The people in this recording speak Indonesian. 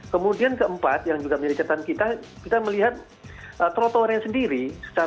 kemudian keempat yang juga menjadi catatan kita kita melihat trotoarnya sendiri